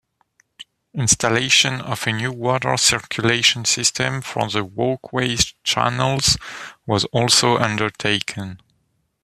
Installation of a new water circulation system for the walkway channels was also undertaken.